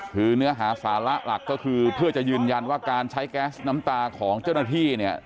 คือเนื้อหาสาระหลักก็คือเพื่อจะยืนยันว่าการใช้แก๊สน้ำตาของเจ้าหน้าที่เนี่ย